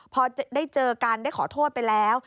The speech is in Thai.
พอได้เจอกันได้ขอโทษไปแล้ว